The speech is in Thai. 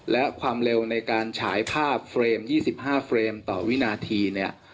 และความเร็วในการฉายภาพเฟรม๒๕เฟรมต่อวินาทีเนี่ย